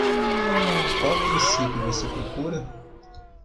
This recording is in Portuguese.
Qual município você procura?